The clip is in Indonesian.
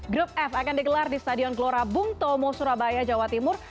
grup f akan digelar di stadion gelora bung tomo surabaya jawa timur